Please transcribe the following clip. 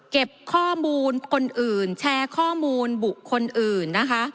เก็บข้อมูลคนอื่นแชร์ข้อมูลบุคคลอื่นนะคะ